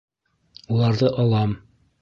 Уларҙы алам.